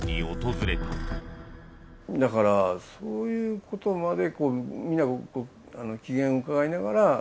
だからそういうことまで。